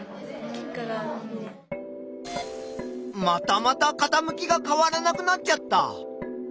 またまたかたむきが変わらなくなっちゃった。